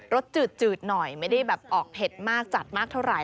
สจืดหน่อยไม่ได้แบบออกเผ็ดมากจัดมากเท่าไห